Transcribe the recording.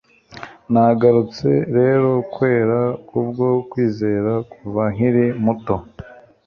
nagarutse rero kwera kubwo kwizera kuva nkiri muto